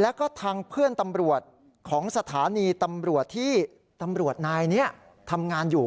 แล้วก็ทางเพื่อนตำรวจของสถานีตำรวจที่ตำรวจนายนี้ทำงานอยู่